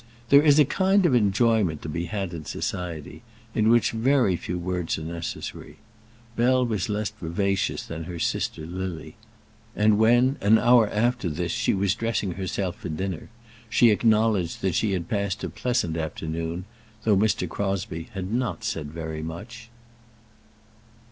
There is a kind of enjoyment to be had in society, in which very few words are necessary. Bell was less vivacious than her sister Lily; and when, an hour after this, she was dressing herself for dinner, she acknowledged that she had passed a pleasant afternoon, though Mr. Crosbie had not said very much.